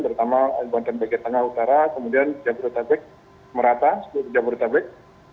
terutama banten bagian tengah utara kemudian jawa tepik merata jawa tepik jawa barat